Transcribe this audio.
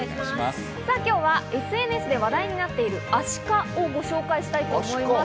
今日はＳＮＳで話題なっているアシカをご紹介したいと思います。